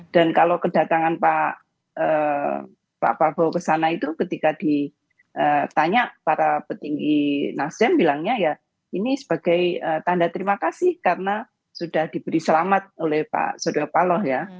dan kalau kedatangan pak pabowo ke sana itu ketika ditanya para petinggi nasdem bilangnya ya ini sebagai tanda terima kasih karena sudah diberi selamat oleh pak surya paloh ya